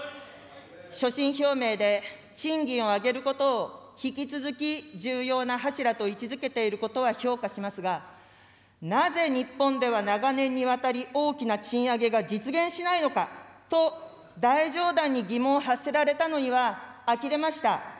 所信表明で、賃金を上げることを引き続き重要な柱と位置づけていることは評価しますが、なぜ日本では、長年にわたり大きな賃上げが実現しないのかと、大上段に疑問を発せられたのにはあきれました。